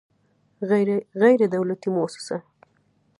غیر دولتي موسسه